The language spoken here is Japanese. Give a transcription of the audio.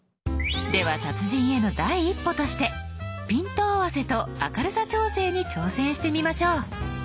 では達人への第一歩としてピント合わせと明るさ調整に挑戦してみましょう。